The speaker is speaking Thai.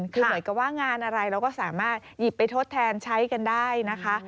คือเหมือนกับว่างานอะไรเราก็สามารถหยิบไปทดแทนใช้กันได้นะคะ